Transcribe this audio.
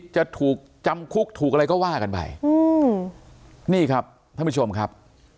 จะถูกจำคุกถูกอะไรก็ว่ากันไปอืมนี่ครับท่านผู้ชมครับ